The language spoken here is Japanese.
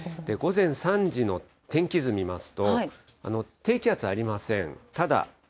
午前３時の天気図見ますと、低気圧ありません。